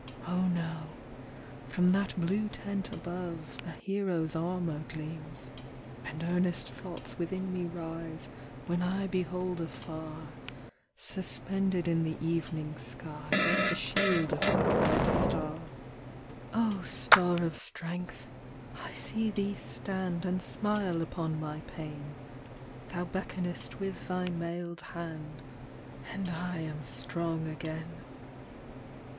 Oh, no! from that blue tent above, A hero's armour gleams. And earnest thoughts within me rise, When I behold afar, Suspended in the evening skies The shield of that red star. O star of strength! I see thee stand And smile upon my pain; Thou beckonest with thy mailed hand, And I am strong again.